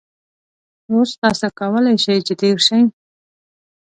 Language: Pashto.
اوس تاسو کولای شئ چې تېر شئ